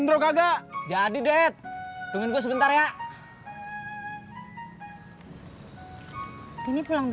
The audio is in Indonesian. gue mau kerja di rumah kak hubung commencer classroom